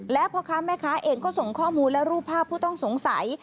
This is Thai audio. และพ่อค้าแม่ค้าเองก็ส่งข้อมูลและรูปภาพผู้ต้องสงสัย